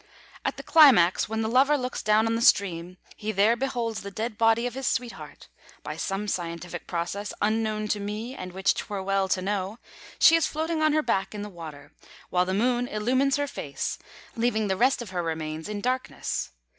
At the climax, when the lover looks down on the stream, he there beholds the dead body of his sweetheart. By some scientific process, "unknown to me and which 'twere well to know," she is floating on her back in the water, while the Moon illumines her face, leaving the rest of her remains in darkness.